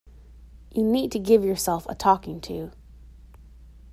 You need to give yourself a talking to.